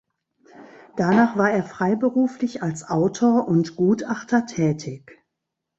Danach war er freiberuflich als Autor und Gutachter tätig.